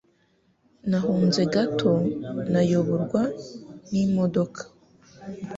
Nahunze gato nayoborwa n'imodoka